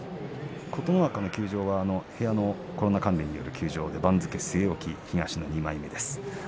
琴ノ若の休場は部屋のコロナ関連による休場で番付据え置き、東の２枚目です。